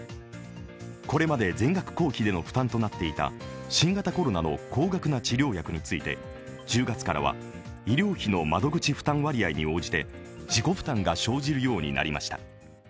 これまで全額公費での負担となっていた新型コロナの高額な治療薬について１０月からは医療費の窓口負担割合に応じて自己負担が生じるようになりました。